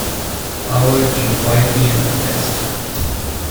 Howard came quietly and confessed.